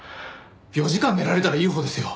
４時間寝られたらいいほうですよ。